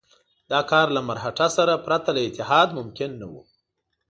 دا کار له مرهټه سره پرته له اتحاد ممکن نه وو.